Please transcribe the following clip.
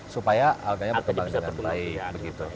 supaya alganya bisa bertumbuh dengan baik